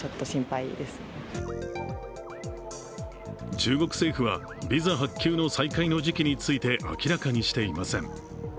中国政府は、ビザ発給の再開の時期について明らかにしていません。